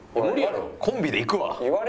コンビでいくわ！